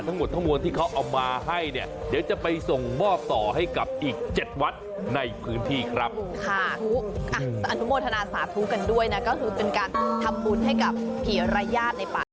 อนุโมทนาสาธุกันด้วยนะก็ถือเป็นการทำบุญให้กับผีระญาติในป่า